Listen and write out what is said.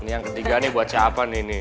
ini yang ketiga nih buat siapa nih nih